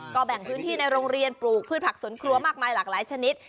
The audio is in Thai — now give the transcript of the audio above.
ก็แบ่งพื้นที่ในโรงเรียนปลูกพืชผักสวนครัวมากมายหลากหลายชนิด